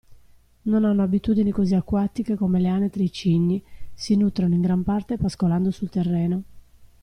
Non hanno abitudini così acquatiche come le anatre ed i cigni, si nutrono in gran parte pascolando sul terreno.